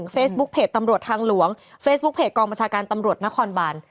เฟซบุ๊กเพจตำรวจทางหลวงเฟซบุ๊คเพจกองบัญชาการตำรวจนครบาน